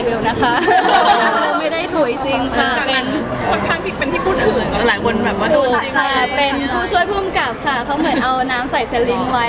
เป็นผู้ช่วยภูมิกับค่ะเขาเหมือนเอาน้ำใส่เซลลิ้งไว้